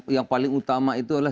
yang paling utama itu adalah